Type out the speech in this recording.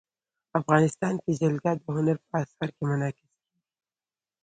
افغانستان کې جلګه د هنر په اثار کې منعکس کېږي.